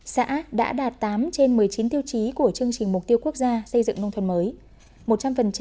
xã đã đạt tám trên một mươi chín tiêu chí của chương trình mục tiêu quốc gia xây dựng nông thuần mới